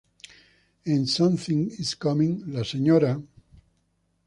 En "Something's Coming", la Sra.